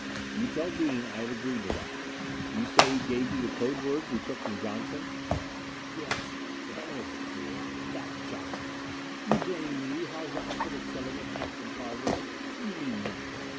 "You tell Dean I have agreed to that. You say he gave you the code words we took from Johnson?" "Yes. There was a fool! That Johnson! You blame me, Haljan, for the killing of Captain Carter? You need not.